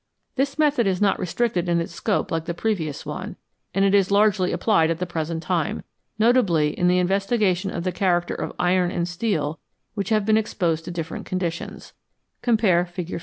This method is not restricted in its scope like the previous one, and it is largely applied at the present time, notably in the investigation of the character of iron and steel which have been exposed to different conditions (compare Fig.